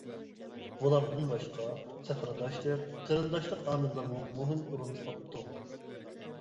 بۇلاردىن باشقا، سەپەرداشلىق، قېرىنداشلىق ئامىللىرىمۇ مۇھىم ئورۇن ئاپتۇ.